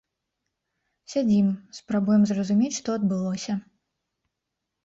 Сядзім, спрабуем зразумець, што адбылося.